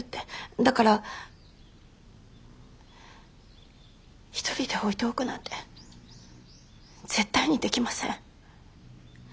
だから一人で置いておくなんて絶対にできません。